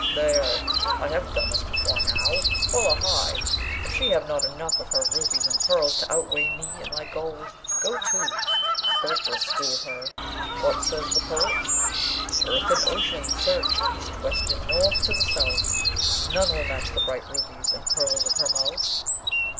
wa! there! I've done this before now. Wullahy! if she have not enough of her rubies and pearls to outweigh me and my gold, go to, Boolp will school her! What says the poet? ''Earth and ocean search, East, West, and North, to the South, None will match the bright rubies and pearls of her mouth.''